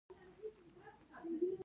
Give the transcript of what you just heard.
مصنوعي ځیرکتیا د ژبې د کارولو بڼه بدلوي.